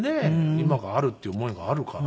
今があるっていう思いがあるから。